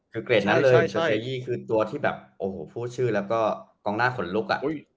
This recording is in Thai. คือเกรดนั้นเลยชาวเชยีคือตัวที่ผู้ชื่อและกองหน้าขนลุก